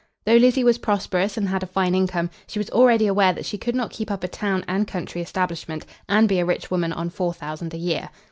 Though Lizzie was prosperous and had a fine income, she was already aware that she could not keep up a town and country establishment and be a rich woman on four thousand a year.